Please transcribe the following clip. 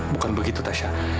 bukan begitu tasya